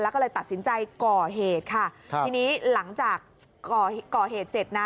แล้วก็เลยตัดสินใจก่อเหตุค่ะครับทีนี้หลังจากก่อเหตุเสร็จนะ